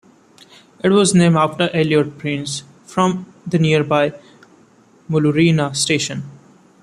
It was named after Elliot Price, from the nearby Muloorina Station.